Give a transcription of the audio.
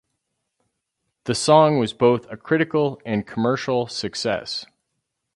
The song was both a critical and commercial success.